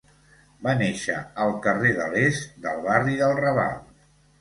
Va néixer al carrer de l'Est del barri del Raval.